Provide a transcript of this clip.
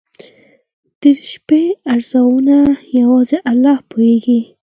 • د شپې رازونه یوازې الله پوهېږي.